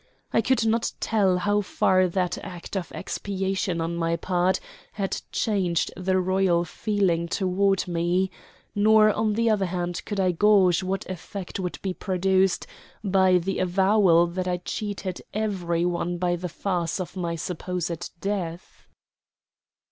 I could not tell how far that act of expiation on my part had changed the royal feeling toward me; nor on the other hand could I gauge what effect would be produced by the avowal that I cheated every one by the farce of my supposed death.